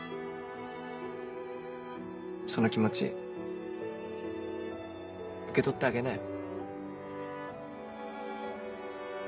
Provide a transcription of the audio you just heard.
その気持ち受け取ってあげなよ。